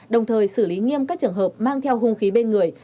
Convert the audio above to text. đồng thời xử lý nghiêm các trường hợp mang theo hung khí bên người